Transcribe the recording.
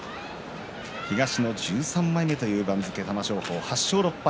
東の１３枚目という番付の玉正鳳、８勝６敗。